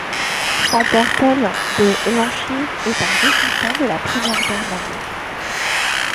Son père Paul de Landsheere est un résistant de la Première Guerre mondiale.